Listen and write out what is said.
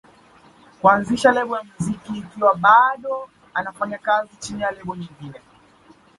kuanzisha lebo ya muziki ikiwa bado anafanya kazi chini ya lebo nyingine